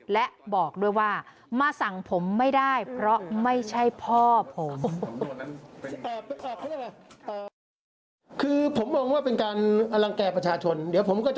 และบอกด้วยว่ามาสั่งผมไม่ได้เพราะไม่ใช่พ่อผม